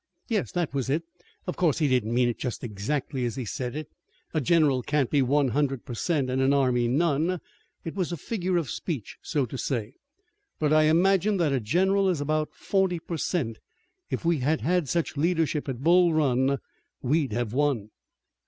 "Yes, that was it. Of course, he didn't mean it just exactly as he said it. A general can't be one hundred per cent and an army none. It was a figure of speech so to say, but I imagine that a general is about forty per cent. If we had had such leadership at Bull Run we'd have won."